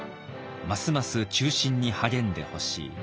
ますます忠信に励んでほしい。